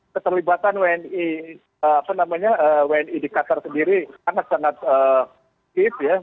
keterlibatan wni di qatar sendiri sangat sangat kip